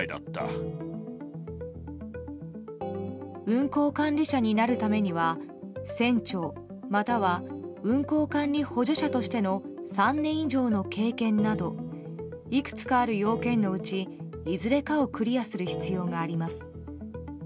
運航管理者になるためには船長または運航管理補助者としての３年以上の経験などいくつかある要件のうちいずれかをクリアする必要があります。